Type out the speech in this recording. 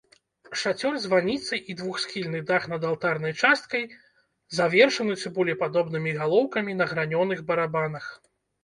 Шацёр званіцы і двухсхільны дах над алтарнай часткай завершаны цыбулепадобнымі галоўкамі на гранёных барабанах.